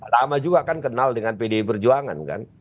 lama juga kan kenal dengan pdi perjuangan kan